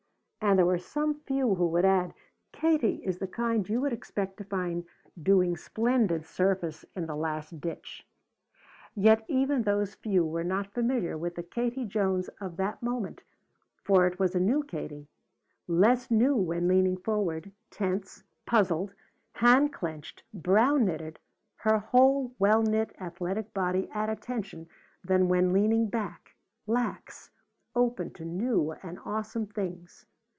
'" And there were some few who would add: "Katie is the kind you would expect to find doing splendid service in that last ditch." Yet even those few were not familiar with the Katie Jones of that moment, for it was a new Katie, less new when leaning forward, tense, puzzled, hand clenched, brow knitted, her whole well knit, athletic body at attention than when leaning back lax, open to new and awesome things.